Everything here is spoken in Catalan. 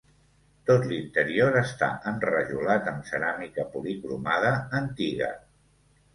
Tot l'interior està enrajolat amb ceràmica policromada antiga.